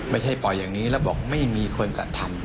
ไม่ใช่ปล่อยอย่างนี้แล้วบอกไม่มีคนกระทำ